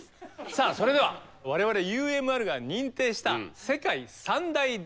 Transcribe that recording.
さあそれでは我々ＵＭＲが認定した世界三大ダイヤモンド